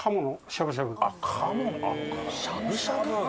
しゃぶしゃぶ？